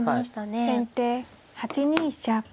先手８二飛車。